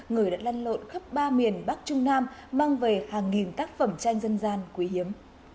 người đã lăn lộn khắp ba miền bắc trung nam mang về hàng nghìn tác phẩm tranh dân gian quý hiếm